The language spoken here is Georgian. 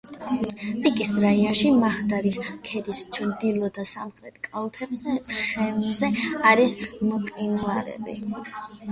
პიკის რაიონში, შაჰდარის ქედის ჩრდილო და სამხრეთ კალთების თხემზე არის მყინვარები.